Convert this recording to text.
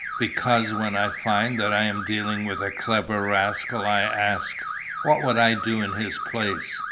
"Because, when I find that I am dealing with a clever rascal I ask, what would I do in his place?